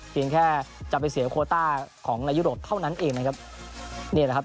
แค่จะไปเสียโคต้าของในยุโรปเท่านั้นเองนะครับนี่แหละครับ